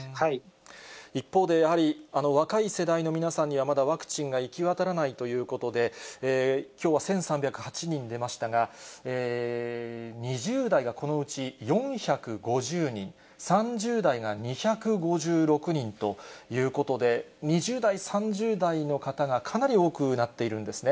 一方でやはり、若い世代の皆さんには、まだワクチンが行き渡らないということで、きょうは１３０８人出ましたが、２０代が、このうち４５０人、３０代が２５６人ということで、２０代、３０代の方が、かなり多くなっているんですね。